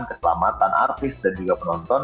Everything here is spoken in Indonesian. keselamatan artis dan juga penonton